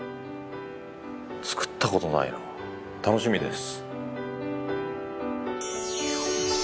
作ったことないな楽しみです。